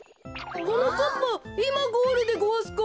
はなかっぱいまゴールでごわすか？